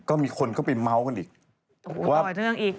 อองฟองอ